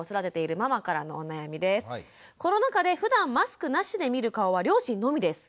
「コロナ禍でふだんマスクなしで見る顔は両親のみです。